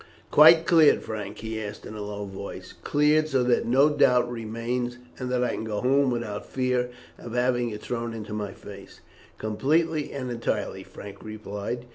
"Quite cleared, Frank?" he asked in a low tone; "cleared so that no doubt remains, and that I can go home without fear of having it thrown into my face?" "Completely and entirely," Frank replied.